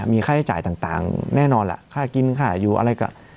มีค่าใช้จ่ายต่างแน่นอนล่ะค่ากินค่าอยู่อะไรก็